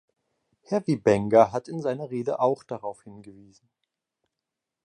Herr Wiebenga hat in seiner Rede auch darauf hingewiesen.